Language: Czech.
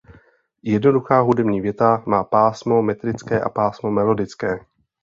Jednoduchá hudební věta má pásmo metrické a pásmo melodické.